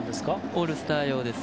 オールスター用です。